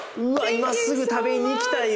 今すぐ食べに行きたいよ。